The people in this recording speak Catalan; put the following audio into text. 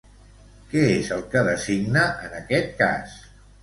Què és el que designa en aquest cas?